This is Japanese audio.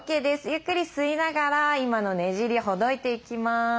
ゆっくり吸いながら今のねじりほどいていきます。